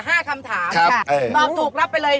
ห้าคำถามบอบทุกรับไปเลย